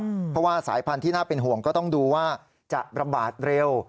เพราะว่าสายพันธุ์ที่น่าเป็นห่วงก็ต้องดูว่าจะระบาดเร็ว